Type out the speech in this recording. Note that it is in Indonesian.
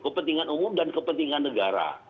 kepentingan umum dan kepentingan negara